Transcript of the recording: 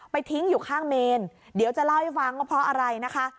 ทิ้งอยู่ข้างเมนเดี๋ยวจะเล่าให้ฟังว่าเพราะอะไรนะคะ